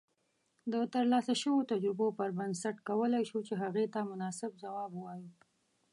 د ترلاسه شويو تجربو پر بنسټ کولای شو چې هغې ته مناسب جواب اوایو